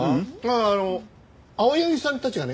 ああ青柳さんたちがね